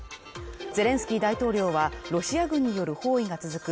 ゼレンスキー大統領はロシア軍による包囲が続く